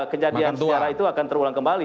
kejadian suara itu akan terulang kembali